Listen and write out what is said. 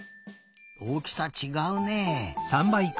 おおきさちがうね。